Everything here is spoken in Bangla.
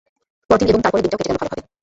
পরদিন এবং তারপরের দিনটাও কেটে গেল ভালোভাবেই।